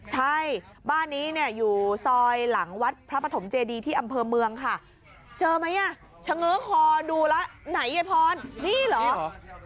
ใช่บ้านนี้เนี่ยอยู่ซอยหลังวัดพระปฐมเจดีที่อำเภอเมืองค่ะเจอไหมอ่ะเฉง้อคอดูแล้วไหนยายพรนี่เหรอ